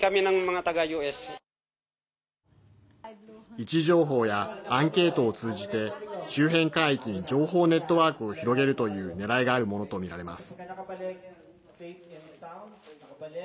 位置情報やアンケートを通じて周辺海域に情報ネットワークを広げるというねらいがあるものとみられます。